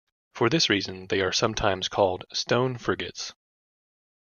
For this reason they are sometimes called stone frigates.